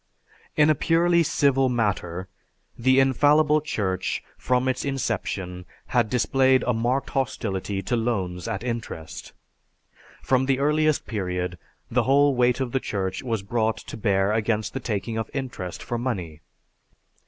In a purely civil matter, the infallible Church from its inception had displayed a marked hostility to loans at interest. From the earliest period the whole weight of the Church was brought to bear against the taking of interest for money.